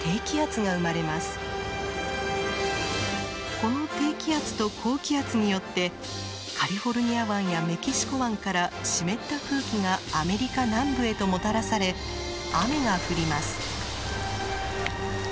この低気圧と高気圧によってカリフォルニア湾やメキシコ湾から湿った空気がアメリカ南部へともたらされ雨が降ります。